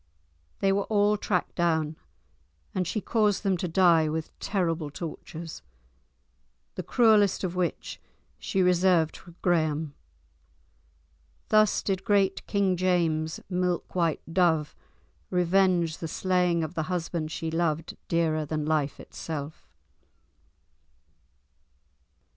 They were all tracked down, and she caused them to die with terrible tortures, the cruellest of which she reserved for Graham. Thus did great King James's "milk white dove" revenge the slaying of the husband she loved dearer than life itself.